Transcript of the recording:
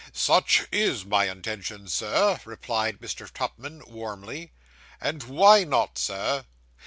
'Such is my intention, Sir,' replied Mr. Tupman warmly. 'And why not, sir?